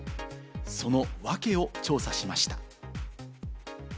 そのワケを調査しました。